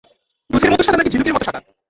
দুধের মতো সাদা নাকি, ঝিনুকের মতো সাদা?